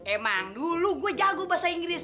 emang dulu gue jago bahasa inggris